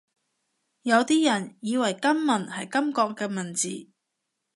有啲人以為金文係金國嘅文字